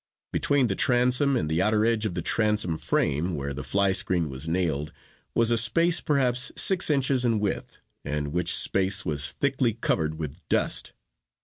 Between the transom and the outer edge of the transom frame, where the fly screen was nailed, was a space perhaps six inches in width, and which space was thickly covered with dust.